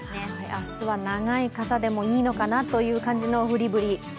明日は長い傘でもいいのかなという感じの降りぶり。